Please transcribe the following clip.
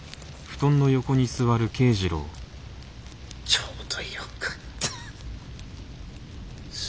ちょうどよかった。